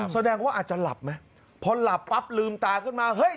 แสดงว่าอาจจะหลับไหมพอหลับปั๊บลืมตาขึ้นมาเฮ้ย